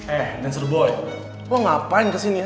eh dancer boy lu ngapain ke sini ya